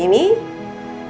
dia akan lebih baik